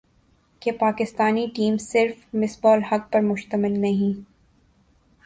کہ پاکستانی ٹیم صرف مصباح الحق پر مشتمل نہیں